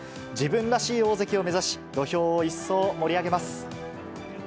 自分らしい大関を目指し、土俵を一層盛り上げます。